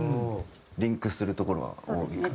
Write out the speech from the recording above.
リンクするところは多いかな。